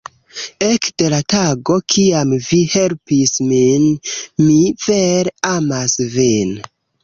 Ekde la tago kiam vi helpis min, mi vere amas vin.